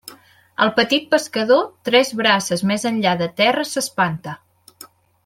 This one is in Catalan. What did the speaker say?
El petit pescador, tres braces més enllà de terra s'espanta.